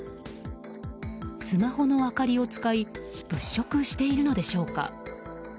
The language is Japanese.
スマホの明かりを使い物色しているのでしょうか。